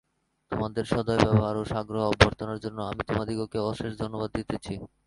তোমাদর সদয় ব্যবহার ও সাগ্রহ অভ্যর্থনার জন্য আমি তোমাদিগকে অশেষ ধন্যবাদ দিতেছি।